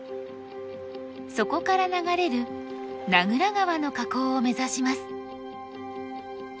そこから流れる名蔵川の河口を目指します。